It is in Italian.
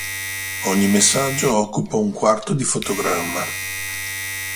Ogni messaggio occupa un quarto di fotogramma.